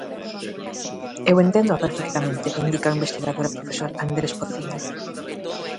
Eu enténdoa perfectamente, indica o investigador e profesor Andrés Pociña.